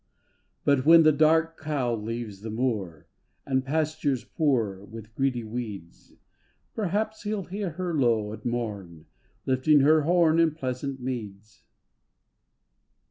But when the Dark Cow leaves the moor, And pastures poor with greedy weeds, Perhaps he'll hear her low at morn Lifting her horn in pleasant meads.